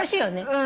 うん。